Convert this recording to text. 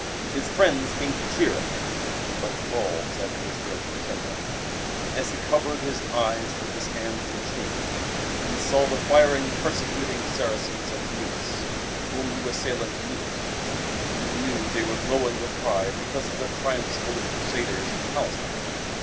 His friends came to cheer him. But Lull sat in his room trembling. As he covered his eyes with his hands in shame, he saw the fiery, persecuting Saracens of Tunis, whom he was sailing to meet. He knew they were glowing with pride because of their triumphs over the Crusaders in Palestine.